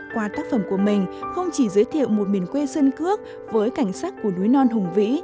qua tác phẩm của mình không chỉ giới thiệu một miền quê dân cước với cảnh sắc của núi non hùng vĩ